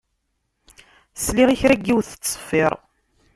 Sliɣ i kra n yiwet tettṣeffiṛ.